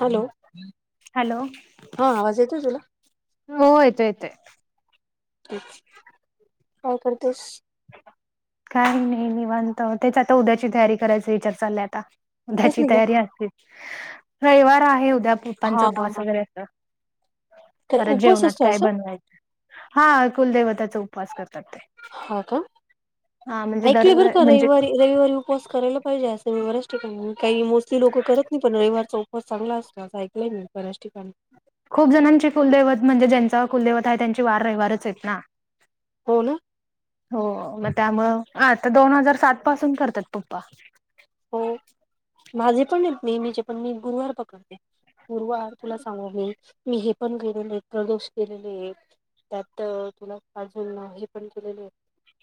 Hello hello हा आवाज येतोय तुला हो येतो येतोय. तेच काय करतेस? काय नई निवांत तेच आता उद्याची तयारी करायचा विचार चाललाय आता उद्याची कसली ग तयारी असतेच रयवार आहे उद्या पप्पांच हा बॉस वगैरे असता काय परत उपवास जेवणात असतो काय असं बनवायचं? हा कुलदैवताचा उपवास करतात ते हा का हा म्हणजे दर ऐकलय बरं का म्हणजे रयवारी रविवारी उपवास करायला पाहिजे असं मी बऱ्याच ठिकाणी काही मोस्टली लोकं करत नाही पण रयवारचा उपास चांगला असतो असं ऐकलय मी बऱ्याच ठिकाणी खूप जणांचे कुलदैवत म्हणजे ज्यांचा कुलदैवत आहे त्यांचे वार रयवारच येत ना. हो ना हो म त्यामुळ अ आता दोन हजार सात पासून करतात पप्पा हो माझे पण येत नेहमीचे पण मी गुरुवार पकडते. गुरुवार तुला सांगू मी मी हे पण केलेले ये एकादशी केेलेलीये. त्यात तुला अजून हे पण केलेले येत.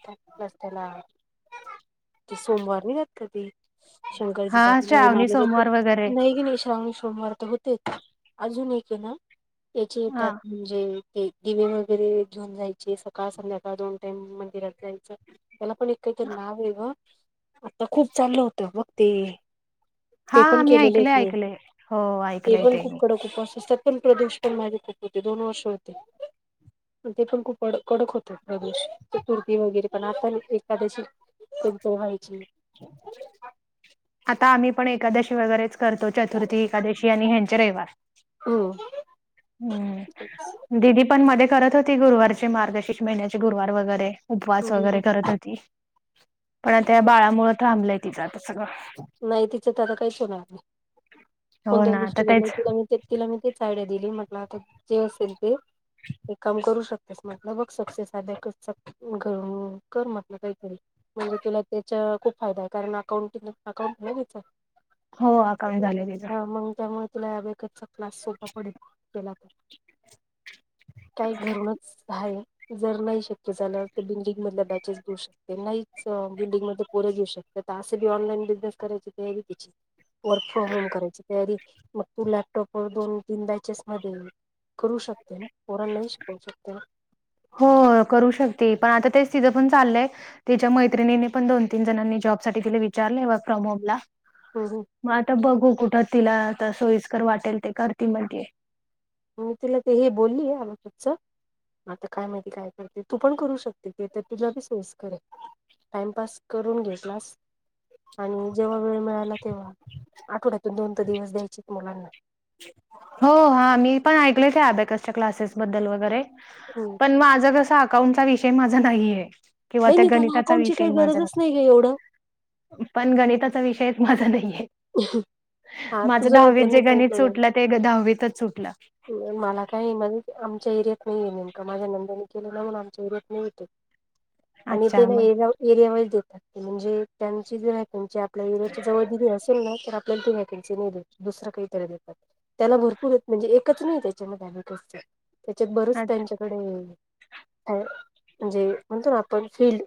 काय [inaudible] त्याला ते सोमवार नाई जात का ते शंकराची हा जातील [unintelligible] ना श्रावणी म्हणजे अशी सोमवार वगैरे नाही की नाय श्रावणी सोमवार तर होत ते एक अजून एक ये ना त्याचे हा येतात हुं जे ते दिवे वगैरे घेऊन जायचे सकाळ संध्याकाळ दोन टाईम मंदिरात जायचं त्याला पण एक कायतरी नाव ये ग आता खूप चाललं होतं बग ते हा ते पण मी केलेले ऐकलंय येत मी ऐकलंय. हो ते ऐकलंय पण मी खूप कडक उपवास असतात पण प्रदूषण पण माझे खूप होते दोन वर्ष होते. पण ते पण खूप कडक कडक होतात प्रदेश चतुर्थी वगैरे पण आता नाय एखादशी कधीतरी व्हायची. [inaudible] आता आम्ही पण एकादशी वगैरेच करतो चतुर्थी एकादशी आणि ह्यांचे रयवार ओ हम्म दिदी पण मध्ये करत होती गुरुवारचे मार्गशीश महिन्याचे गुरुवार वगैरे उपवास हम्म हम्म वगैरे करत होती पण आता या बाळा मुळ थांबलंय तिचं आता सगळं नाही तिचं तर आता काहीच होणार नाय हो कोणत्याच ना आता गोष्टी घडल्यावर तेच तिला मी ते तिला मी तीच आयडिया दिली म्हटलं आता जे असेल ते एक काम करू शक शकतेस म्हटलं बघ सक्सेस अबॅकस क अ कर म्हटलं कायतरी म्हणजे तुला त्याचा खूप फायदा हाय कारण अकाउंटिंग अकाउंट हाय तिचा हो अकाउंट झालंय तिज मग त्यामुळे तुला वगचा क्लास सोपा पडेल त्याला [inaudible] काही घरूनच आहे जर नाही शक्य झालं तर बिल्डिंग मधल्या बॅचेस घेऊ शकते नाहीच बिल्डिंग मधले पोरे घेऊ शकत तर असेीऑलाईन बिजनेस कयची ते कची वर्क फ्रॉम होम करायची तयारी मग तू लॅपटॉप व दोन तीन बॅचेस मध्ये करू शकते ना पोरण नाही शिकवू शकते ना हो करू शकते पण आता तेच तिथं पण चाललंय त्याच्या मैत्रिणीने पण दोन तीन जणांनी जॉब साठी तिला विचारले फ्रॉम होम ला हो हो मग आता बघू कुठं तिला आता सोयीस्कर वाटेल ते कर त म्हणज तिला तर हे बोलली आ खचच आता काय माहिती काय करते तू पण करू शकते ते तर तुझला बी सोयस् करे टाइमपास करून घेत नास आणि जेव्हा वेळ मिळाला तेव्हा आठवड्यातून दोन त दिवस द्यायचेत मुलांना हो हा मी पण ऐकले ते अबेकसच्या क्लासेस बद्दल वगैरे हम्म पण माझं कसं अकाउंटचा विषय माझा नाही आहे किंवा नाही त्या नाही त्याला गणिताचा अकाउंटची विषय काही माझा. गरजच नाही ग एवढं पण गणिताचा विषयच माझा नाही आहे हा माझ तुझं दहावीत त्यांनी जे गणित सांगितलं सुटला ते दहावीतच सुटला. मला काही म्हण आमच्या एरियात नाही आहेे नेमका माझ्या नंद्यांने केलेलं म्हणून आमच्या एरियात नाही येत. [inaudible] आणि ते न मग एरिया एरियावाईज देतात म्हणजे त्यांची जे त्यां आपल्या एरियाच्या जवळ दिली असेल ना तर आपल्याला ते वॅकेनसी नाही देत. दुसर काहीतरी देतात. त्याला भरपूर येत म्हणजे एकच नाही त्याच्या मध्ये अबाकसच. त्याच्यात बरच अच्छा त्यांच्याकडे आहे. म्हणजे म्हणतो ना आपण फील्ड.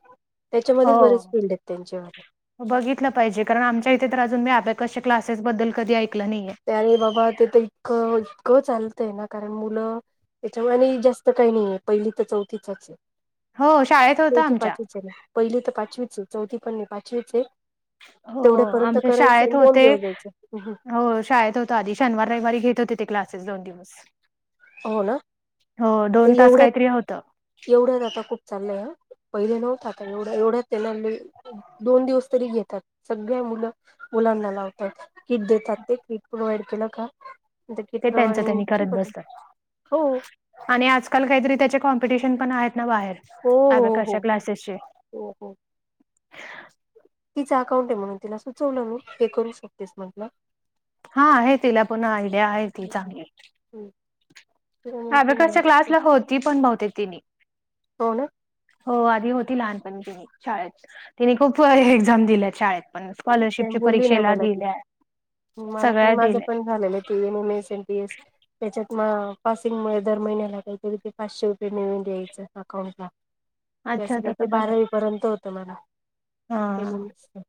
त्याच्यामध्येच बरेच हो. फील्ड आहेत त्यांच्यावाले. बघितलं पाहिजे कारण आमच्या इथे तर अजून मी अबाकस च्या क्लासेस बद्दल कधी ऐकलं नाहीये. त्या आणि बाबा ते तर इतकं इतकं चालतंय ना कारण मुलं त्याच्यामधी जास्त काही नाही आहे पहिली तर चौथीचच आहे. हो शाळेत होतं चौथी आमच्या. पाचवीच आहे ना पहिली तर पाचवीच चौथी पणणे पाचवीच आहे हो तेवढ्यापर्यंत आमच्या शाळेत करायचं दोन होते दिवस द्यायचं हो शाळेत हो आधी शनिवार रविवारी घेत होते ते क्लासेस दोन दिवस हो ना हो दोन तास काहीतरी होतं एवढ्याच आता खूप चाललंय ह पहिले नव्हत आता एवढ्या एवढ्या त्याला दोन दिवस तरी घेतात सगळ्या मुलं मुलांना लावतात. किट देतात ते किट प्रोवा्इड केलं का किट ते त्यांचं प्रमाणे त्यांनी करत शिक बसतात. हो आणि आजकाल काहीतरी त्याचे कॉम्पिटिशन पण आहेत ना बाहेर हो हो अब्याकसच्या हो क्लासेसचे. हो तिच अकाउंट आहे म्हणून तिला सुचवलं मी हे करू शकतेस म्हटलं. हा आहे तिला पुन्हा आयडिया आहे ती चांगली. अबाकसच्या क्लासला होती पण बहतेक ती. हो न. हो आधी होती लहानपनी तिची शाळेत. तिने खूप एक्झाम दिल्या शाळेत. त्या स्कॉलरशिपच्या बोलली ना परीक्षेला मला ती दिल्या. मला पण सगळ्या माझं दिल्या पण झालेलं ते M M S MP S त्याच्यात म पासिंग मुळ दर महिन्याला काही तरी ते पाचशे रुपये नेऊन द्यायचं अकाउंटला. [inaudible] ते अस काही ते तसं पण आहे बारावी पर्यंत होतं मला. एन हा. एम एस च.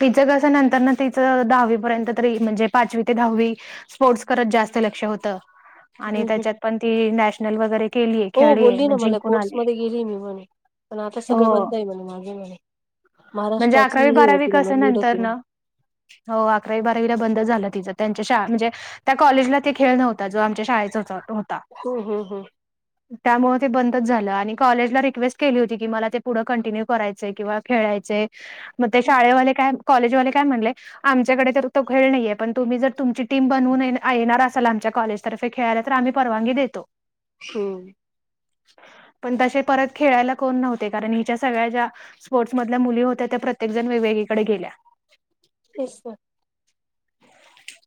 तिचं कस नंतरन तिचं दहावीपर्यंत तरी म्हणजे पाचवी ते दहावी - - स्पोर्टस करत जास्त लक्ष होत आणि त्याच्यात पण ती नॅशनल वगैरे केलीय हो खेळलीय बोलली ना मला जिंकून स्पोर्ट्स आलीय मध्ये गेली मी म्हणे. पण आता सगळं हो बंद आहे म्हणे. माझ [unintelligible] म्हणे. म्हणजे महाराष्ट्राची अकरावी, हे बारावी होती कस म्हणे लीड होती म्हणे नंतरन- - हो. अकरावी, बारावीला बंद झालं तिचं. त्यांच्या शाळा म्हणजे त्या कॉलेजला ते खेळ नव्ह - - [unintelligible] जो आमच्या शाळेचा होता तो होता. हम्म हम्म हम्म त्यामुळे ते बंदच झालं आणि कॉलेजला रिक्वेस्ट केली होती की मला ते पुढं कंटिन्यू करायचं. किंवा खेळायचे. मग ते शाळेवाले काय कॉलेजवाले काय म्हणले आमच्याकडे तर तो खेळ नाहीये पण तुम्ही जर तुमची टीम बनवून येणार असाल आमच्या कॉलेज तर ते खेळायला तर आम्ही परवानगी देतो. हम्म. पण तसे परत खेळायला कोण नव्हते कारण हिच्या सगळ्या ज्या स्पोर्ट्समधल्या मुली होत्या त्या प्रत्येक जण वेगवेगळीकडे गेल्या. तेच तर.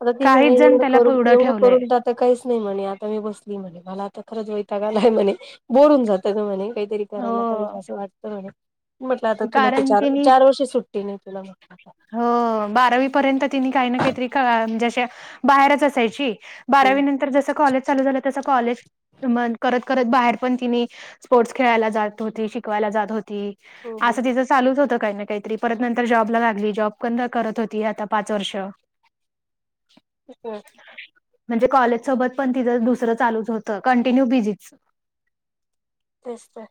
आता ती म्हने काहीच जण एवढं त्याला करून पुढं एवढं ठेवलंय करून दा तर काहीच नाही म्हणे. आता मी बसली म्हणे. मला आता खरंच वैताक आलाय म्हणे. बोर होऊन जात गं म्हणे. काहीरी करायला हो. पाजे अस वाट म्हले म्हटलं आता तुला ते कारण चार तिनी -चार वर्षी सुट - - टी नाही तुला [unintelligible] हो बारावी पर्यंत तिने काही ना काहीतरी क म्हणजे अशी बाहेरच असायची. हो बारावी नंतर जसं कॉलेज चालू झालं तसं कॉलेज म्हण करत करत बाहेर पण तिने स्पोर्टस खेळायला जात होती. शिकवायला जात होती. हो हो असं तिज चालूच होतं काय ना काहीतरी परत नंतर जॉबला लागली. जॉब [unintelligible] होती हे आता पाच वर्ष. हं. म्हणजे कॉलेज सोबत पण तिथं दुसरं चालूच होतं. कंटिन्यू बिझीच. तेच तर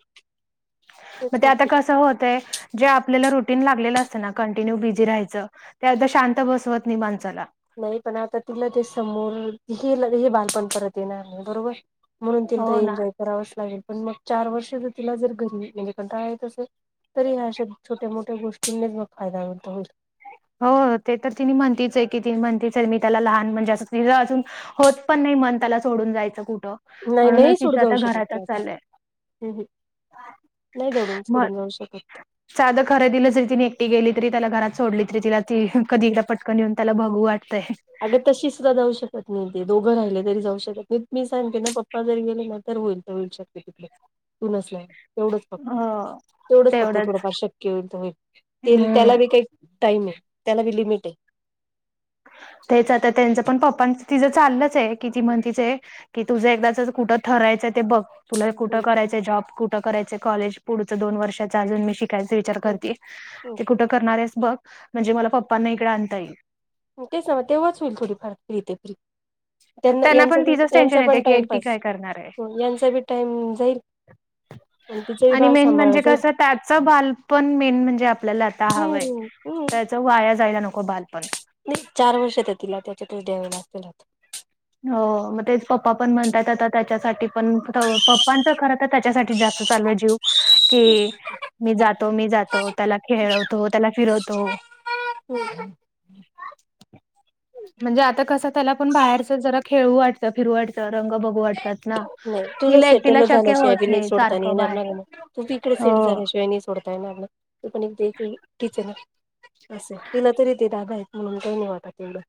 म तेच ते आता म्हटली कसं होतय - - जे आपल्याला रुटीन लागलेलं असतं ना कंटिन्यू बिझी राहायचं. ते आता शांत बसवत नाही माणसाला. नाही. पण आता तिला ते समोर हे -हे बालपण परत येणार नाही बरोबर. म्हणून तिला तर हो ना एन्जॉय करावंच लागेल. पण मग चार वर्ष जर तिला जर घरी म्हणजे कंटाळा येत असेल - - तरी ह्या अशा छोट्या मोठ्या गोष्टींनीच मग फायदा होतो. होईल. हो. ते तर तिनि म्हणतीच हाय की ति म्हणतीच हाय मी त्याला लहान म्हणजे असं तिला अजून - - होत पण नाही मन त्याला सोडून जायचं कुठं. नाही. म्हणूनच नाही. सोडू तिचं आता जाऊ शकत ति घरातच आता. चाललंय हम्, हम्. नाही [unintelligible] मग सोडून जाऊ शकत. साधं खरेदीला जरी तिने एकटी गेली तरी त्याला घरात सोडली - - [unintelligible] तिला ती कधी एकदा पटकन येेऊन त्याला बघू वाटतंय. अगं तशी सुद्धा जाऊ शकत नाही. ते दोघं राहिले तरी जाऊ शकत नाही. मी सांगते ना पप्पा जर गेले ना तर होईल. होईल शक्य कुठलं. तू नसल्यावर. तेवढंच फक्त. हो तेवढंच फक्त थोडंफार शक्य होईल तर होईल. ते त्याला हम्म जे काही टाइम हाय. त्याला बी लिमिट ये. तेच आता त्यांचं पण पप्पांच तिचं चाललंचये. कि ती म्हणतिचये - - कि तुझं एकदाच कुठं ठरायचं ते बघ. तुला कुठं करायचय जॉब? कुठं करायच कॉलेज? पुढचं दोन वर्षच अजून मी शि काय ते विचार करते ते. कुठं करणार आहेस बघ म्हणजे मला पप्पांना इकडे आणता येईल. तेच मग तेव्हाच होईल थोडीफ फार फ्री ते फ्री. त्यांना यांचा पण बी तिचंच यांचा टेन्शन येते पण की एकटी टाइमपास काय करणार आहे म यांचा बी टाइम जाईल. तिचंही आणि बाळ मेन सांभाळलं म्हणजे जाईल कस त्याच बालपण मेन म्हणजे आपल्याला आता हवय. हम्म हम्म त्याच वाया जायला नको बालपण. नाही चार वर्षात तिला त्याच्यातच द्यायला असेल. हो मग तेच पप्पा पण म्हणताय आता त्याच्यासाठी पण. पप्पांच खरत त्याच्यासाठी जास्त चालू आहे जीव कि मी जातो मी जातो त्याला खेळवतो त्याला फिरवतो. हम्. म्हणजे आता कस त्याला पण बाहेरच जरा खेळ वाट फिरटच रंग बघूटतात ना तुझं हिला एकटीला सेटल शक्य झाल्याशिवाय बी होत नाही सोडताना सारखं येणार बाहेर. ना मग तू त इकडे सेट हो झाल्याशिवाय नाही सोडताय ना आप तू पण एक देीलिच आहे ना. असं तिला तरी ते दादा आहेत म्हणून काही नाही वाटा तेवढं.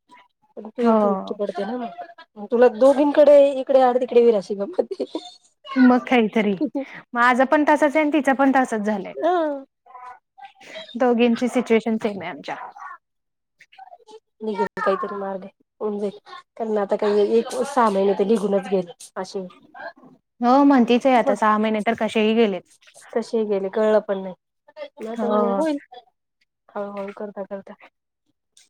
पण तू इथ हो इकी पडते ना तुला दोघींकडे. इकडे आड तिकडे व रस ग मग काहीतरी मग आझ पण तासच आहे आणि तिचा पण तासच झालाय. हा दोघींची सिच्युएशन सेम आहे आमच्या. नि गेली काही तरी मारलेन. कारण आता काही एक सहा महिने ते निघूनच घेल असे. हो म्हणतीच आहे आता सहा महिने तर कसेही गेलेत. तसे गेले कळलं पण नाही आता म्हणे हो होईल. हळूहळू करता करता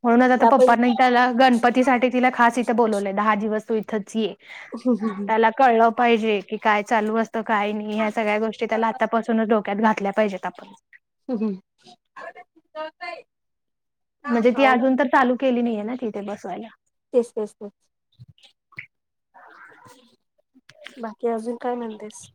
म्हणूनच आता पप्पने आपण त्याला गणपती सा तिला खास इथं बोलवलंय दहा दिवस तू इथंच ये. ह ह ह त्याला कळलं पाहिजे की काय चालू असतं काय नाही या्या सगळ्या गोष्टी त्याला आतापासूनच डोक्यात घातल्या पाहिजेत आपण. सहम [unintelligible] म्हणजे ती अजून तर चालू केली नाहीये ना तिथे बसवायला. तेच तेच तेच. बाकी अजून काय म्हणतेस.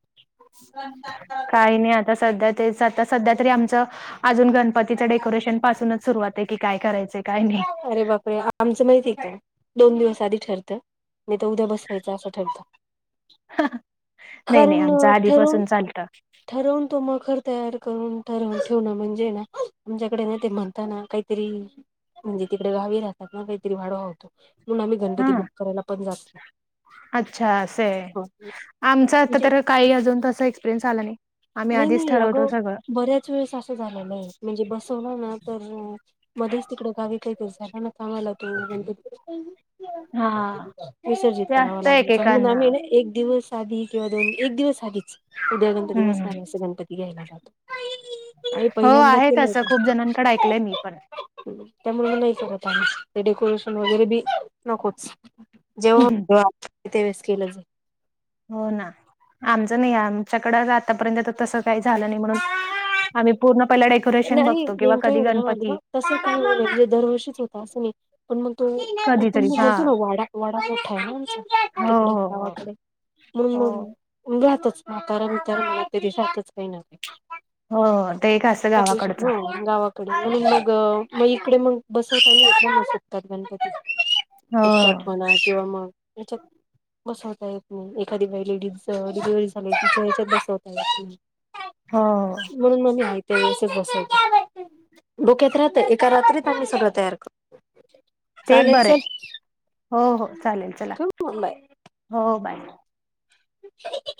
काही नाही आता सध्या तेच आता सध्या तरी आमचं. अजून गणपतीच डेकोरेशन पासूनच सुरुवात आहे की काय करायचे काय नाही. अरे बापरे आमचं माहीतक आहे दोन दिवस आधी ठरतं. मी ते उद्या बसवायचं असं ठरत.. नाही नाही आमच्या ठरवून आधीपासून चालतं. ठरवून तो मखर तयार करून ठरव ठेवण म्हणजे ना तुमच्याकडे ना ते म्हणताना काही.. तरी म्हणजे तिकडे गावी राहतात ना काहीतरी वाढवा होतो. म्हणून आम्ही गणपती हा. बुक करायला पण जातो. अच्छा असं आहे आमच आता तर काही अजून त एक्सपिरियन्स आला नाही. आम्ही नाही आधीच नाही ठरवतो अगं सगळं. बऱ्या च वेळेस असं झालेलं आहे म्हणजे बसवलं ना तर मध्येच तिकडे गावी काहीतरी झालं ना. चांगला तण हा. विसर्जित ते करावा असतं लागयचा म्हणून एकेकांना. आम्ही ना एक दिवस. आधी किंवा दोन एक दिवस आधीच उद्या गणपती हम्म. बसणार असं गणपती घ्यायला जातो. आणि हो पहिल्यांदा केलं आहें होतं खूप जणांकडे ऐकलंय मी पण त्यामुळे नाही करत आ ते डेकोरेशन वगैरे बी नकोच. जेव्हा ते वळेस केलं जा. हो ना आमचं नाही आमच्याकडं आतापर्यंत तर तसं काही झालं नाही म्हणून. जाईल आम्ही पूर्ण पहिला डेकोरेशन बघतो किंवा कधी गणपती तस काय हो दर वर्षीच होत असं नाही. पण मग तो कधीतरी कुटुंब हा. म्हज ना वाडा वाडा मोठा आहे ना आमचा हो तिकडे हो हो. गावाकडे. मग मग जातच म्हातारा मितारा तरी जातच काही ना काही हो ते का. त हो [unintelligible] गावाकडे म्हणून मग मग बसविता आणि कतात गणपती हो टिपटाप हो. म्हणा किंवा मग. बसवता येत नई, एखादी बई लेडीज अ डिलिव्हरी झाली तिच्या हेच्यात बसवता येत नई. हा. म्हणून मग मी हाय त्या वेळेसच बसवत डोक्यात राहत एका रात्रीत आम्ही सगळं तयार कर ते एक बरं आय, हो हो चालेल चला, ठेवू मग बाय हो बाय [unintelligible]